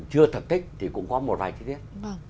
chưa thật thích thì cũng có một vài chi tiết